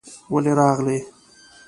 ولې راغلې؟